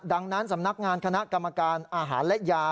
ดังนั้นสำนักงานคณะกรรมการอาหารและยา